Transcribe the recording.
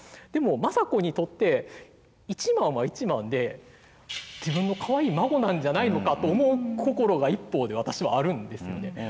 でも政子にとって一幡は一幡で自分のかわいい孫なんじゃないのかと思う心が一方では私はあるんですよね。